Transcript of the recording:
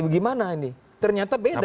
gimana ini ternyata beda